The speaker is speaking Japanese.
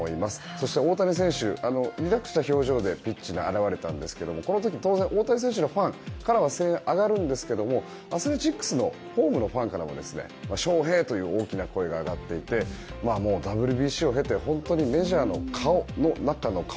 そして大谷選手はリラックスした表情でピッチに現れたんですがこの時、当然大谷選手のファンからは声援が上がるんですけれどもアスレチックスのホームのファンからはショウヘイ！という大きな声が上がっていてＷＢＣを経てメジャーの顔の中の顔。